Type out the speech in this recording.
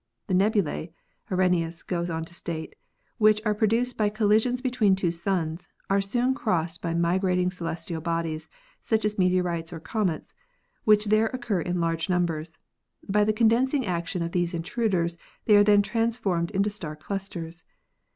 "The nebulae," Arrhenius goes on to state, "which are produced by collisions between two suns, are soon crossed by migrating celestial bodies, such as meteorites or comets, which there occur in large num bers ; by the condensing action of these intruders they are then transformed into star clusters.